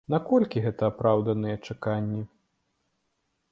Наколькі гэта апраўданыя чаканні?